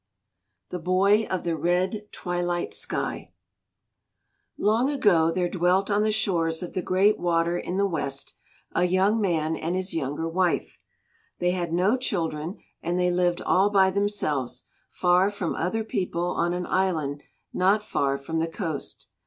THE BOY OF THE RED TWILIGHT SKY Long ago there dwelt on the shores of the Great Water in the west a young man and his younger wife. They had no children and they lived all by themselves far from other people on an island not far from the coast.